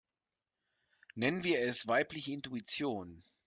Nennen wir es weibliche Intuition.